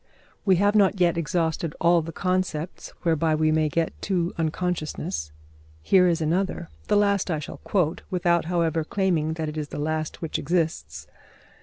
We have not yet exhausted all the concepts whereby we may get to unconsciousness. Here is another, the last I shall quote, without, however, claiming that it is the last which exists.